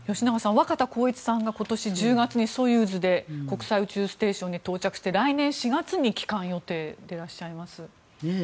若田光一さんが今年１０月にソユーズで国際宇宙ステーションに到着して来年４月に帰還予定でいらっしゃいます。